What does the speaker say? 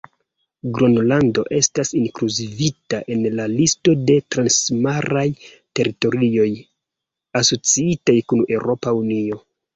Gronlando estas inkluzivita en la listo de transmaraj teritorioj asociitaj kun Eŭropa Unio.